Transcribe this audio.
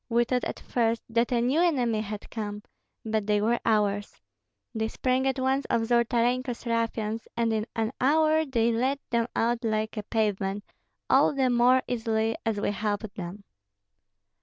We thought at first that a new enemy had come, but they were ours. They sprang at once on Zolotarenko's ruffians, and in an hour they laid them out like a pavement, all the more easily as we helped them."